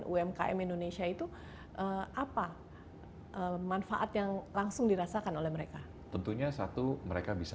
umkm indonesia itu apa manfaat yang langsung dirasakan oleh mereka tentunya satu mereka bisa